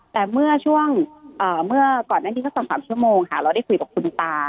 แต่เมื่อก่อนหน้านี้ก็๒๓ชั่วโมงค่ะเราได้คุยกับคุณตา